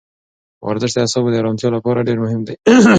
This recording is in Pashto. ورزش د اعصابو د ارامتیا لپاره ډېر مهم دی.